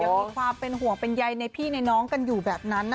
อย่างมีความห่วงเป็นใยในผู้เลยกันอยู่แบบนั้นนะ